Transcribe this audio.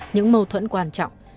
những mâu thuẫn quan trọng